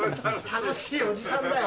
楽しいおじさんだよ。